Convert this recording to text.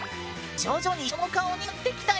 徐々に人の顔になってきたよ。